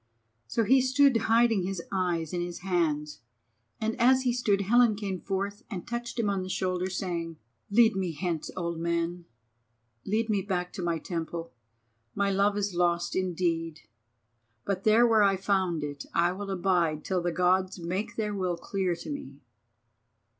So he stood hiding his eyes in his hand, and as he stood Helen came forth and touched him on the shoulder, saying: "Lead me hence, old man. Lead me back to my temple. My Love is lost indeed, but there where I found it I will abide till the Gods make their will clear to me."